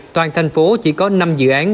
toàn thành phố chỉ có năm dự án